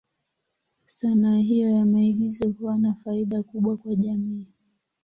Sanaa hiyo ya maigizo huwa na faida kubwa kwa jamii.